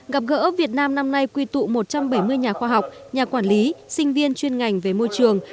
gặp gỡ việt nam năm nay quy tụ một trăm bảy mươi nhà khoa học nhà quản lý sinh viên chuyên ngành về môi trường